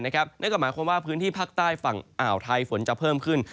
นั่นก็หมายความว่าพื้นที่ภาคใต้ฝั่งอ่าวไทยฝนจะเพิ่มขึ้น